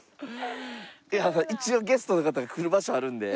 一応ゲストの方が来る場所あるんで。